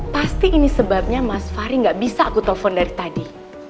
pasti ini sebabnya mas fahri gak bisa aku telepon dari tadi